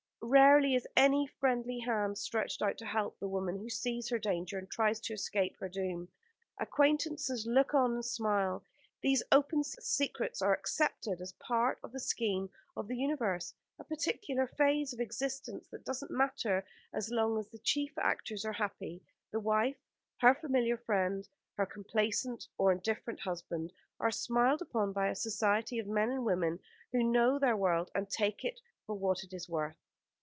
Rarely is any friendly hand stretched out to help the woman who sees her danger and tries to escape her doom. Acquaintances look on and smile. These open secrets are accepted as a part of the scheme of the universe, a particular phase of existence that doesn't matter as long as the chief actors are happy. The wife, her familiar friend, her complaisant or indifferent husband, are smiled upon by a society of men and women who know their world and take it for what it is worth.